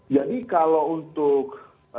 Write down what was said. jadi kalau untuk